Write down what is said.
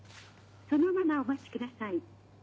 そのままお待ちください。